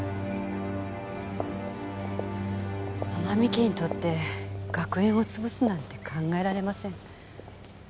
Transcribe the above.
天海家にとって学園を潰すなんて考えられません。